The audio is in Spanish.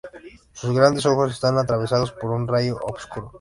Sus grandes ojos están atravesados por un rayo oscuro.